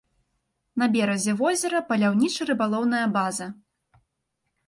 На беразе возера паляўніча-рыбалоўная база.